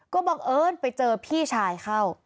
ก็บังเอิญไปเจอพี่ชายเข้า